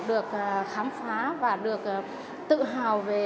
được khám phá và được tự hào về